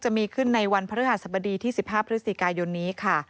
จะมีขึ้นในวันพฤหัสบดีที่๑๕พฤศจิกายนนี้ค่ะ